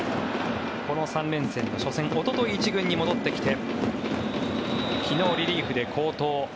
この３連戦の初戦おととい１軍に戻ってきて昨日、リリーフで好投。